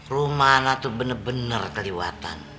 rumah anak tuh bener bener keliwatan